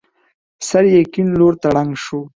سر يې کيڼ لور ته ړنګ شو.